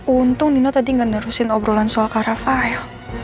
untung nino tadi gak nerusin obrolan soal kak rafael